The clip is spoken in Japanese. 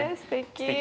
すてき。